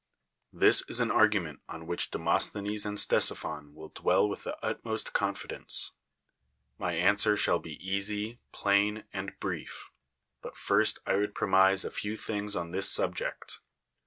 This is an argument on which Demosthenes and Ctesiphon will dwell with the utmost confidence, ^ly answer shall be easy, plain, and bi'ief; but first I would premise a few things on this subject.